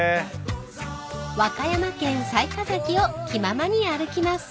［和歌山県雑賀崎を気ままに歩きます］